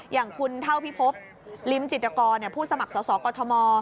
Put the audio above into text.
อย่างคุณเท่าพิภพริมจิตกรผู้สมัครสอบกฏธม